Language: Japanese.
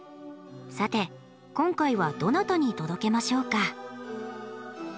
さて今回はどなたに届けましょうか？